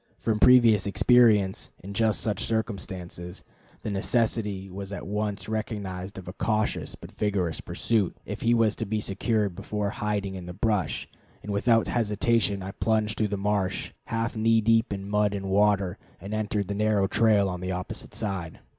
From previous experience in just such circumstances, the necessity was at once recognized of a cautious but vigorous pursuit, if he was to be secured before hiding in the brush; and without hesitation I plunged through the marsh, half knee deep in mud and water, and entered the narrow trail on the opposite side.